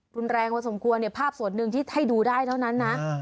รุนแรงพอสมควรเนี่ยภาพส่วนหนึ่งที่ให้ดูได้เท่านั้นนะ